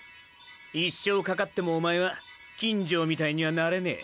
一生かかってもおまえは金城みたいにはなれねェ。